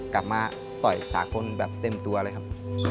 กลับมาต่อยสากลแบบเต็มตัวเลยครับ